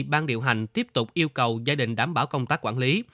ban điều hành tiếp tục yêu cầu gia đình đảm bảo công tác quản lý